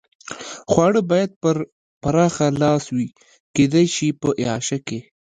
خواړه باید په پراخه لاس وي، کېدای شي په اعاشه کې.